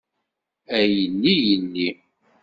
A yelli yelli.